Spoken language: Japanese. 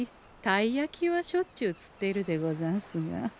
たい焼きはしょっちゅう釣っているでござんすが。